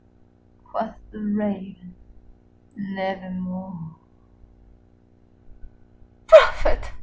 Quoth the Raven, "Nevermore." "Prophet!"